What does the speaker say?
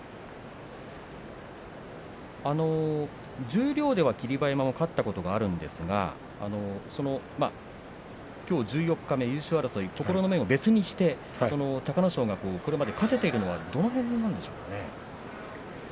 十両では霧馬山も勝ったことがあるんですがきょう十四日目、優勝争いと別にして、隆の勝が追うこれまで勝てているのはどの辺りなんでしょうか。